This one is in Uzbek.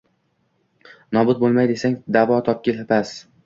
Nobud bo’lmay desang, davo topgil, bas: